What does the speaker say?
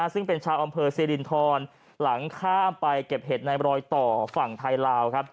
ซึ่งเป็นชาวอำเภอสิรินทรหลังข้ามไปเก็บเห็ดในรอยต่อฝั่งไทยลาว